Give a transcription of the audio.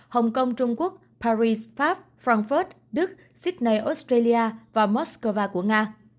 hong kong trung quốc paris pháp frankfurt đức sydney australia và moscow của nga